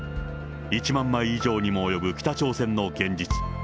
１万枚以上にも及ぶ北朝鮮の現実。